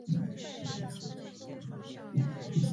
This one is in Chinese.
埃姆人口变化图示